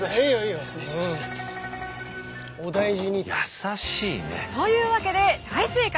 優しいね。というわけで大正解！